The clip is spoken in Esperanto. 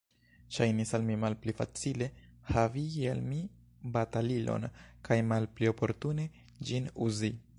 Ŝajnis al mi malpli facile, havigi al mi batalilon, kaj malpli oportune, ĝin uzi.